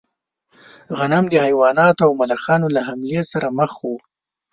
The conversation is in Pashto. غنم د حیواناتو او ملخانو له حملې سره مخ و.